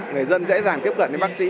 người dân dễ dàng tiếp cận với bác sĩ